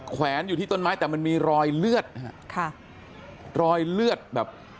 แวนอยู่ที่ต้นไม้แต่มันมีรอยเลือดนะฮะค่ะรอยเลือดแบบ